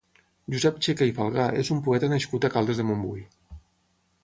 Josep Checa i Falgà és un poeta nascut a Caldes de Montbui.